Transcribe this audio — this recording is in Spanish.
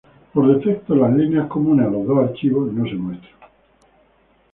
Por defecto, las líneas comunes a los dos archivos no se muestran.